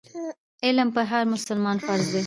علم پر هر مسلمان فرض دی.